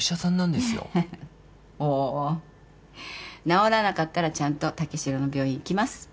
治らなかったらちゃんと武四郎の病院行きます。